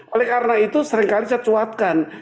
oleh karena itu seringkali saya cuatkan